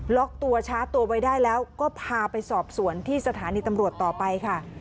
ล็อกตัวช้าตัวไว้ได้แล้วก็พาไปสอบสวนที่สถานีตำรวจต่อไปค่ะ